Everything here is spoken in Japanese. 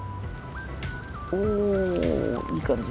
おおいい感じで。